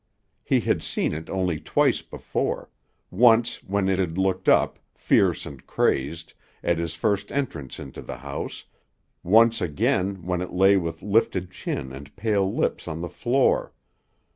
He had seen it only twice before; once when it had looked up, fierce and crazed, at his first entrance into the house, once again when it lay with lifted chin and pale lips on the floor.